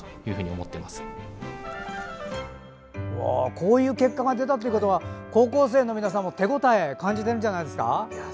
こういう結果が出たということは高校生の皆さんも手応えを感じてるんじゃないですか。